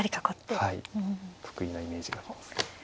得意なイメージがあります。